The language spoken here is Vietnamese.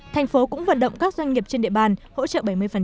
thành phố cũng vận động các doanh nghiệp trên địa bàn hỗ trợ bảy mươi